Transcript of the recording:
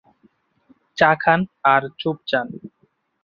চা খান আর চুপ যান।